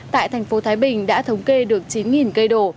tại thành phố thái bình đã thống kê được chín cây đổ